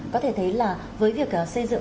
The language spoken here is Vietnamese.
có thể thấy là với việc xây dựng